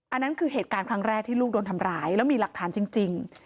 อันนั้นคือเหตุการณ์ครั้งแรกที่ลูกโดนทำร้ายแล้วมีหลักฐานจริง